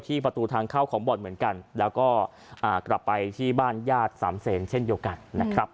ประตูทางเข้าของบ่อนเหมือนกันแล้วก็กลับไปที่บ้านญาติสามเซนเช่นเดียวกันนะครับ